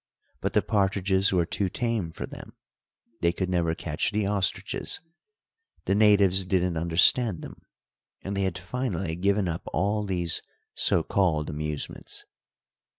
but the partridges were too tame for them, they could never catch the ostriches, the natives didn't understand them, and they had finally given up all these so called amusements.